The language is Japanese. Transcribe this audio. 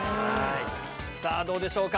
どうでしょうか？